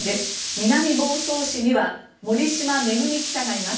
南房総市には森嶋萌記者がいます